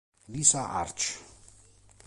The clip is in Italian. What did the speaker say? Lisa Arch